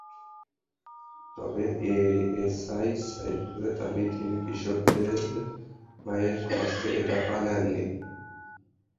তবে এএসআই সাইফুলের দাবি, তিনি কিশোরের ভাইয়ের কাছ থেকে টাকা নেননি।